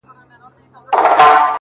چا ویل؟ چي سوځم له انګار سره مي نه لګي٫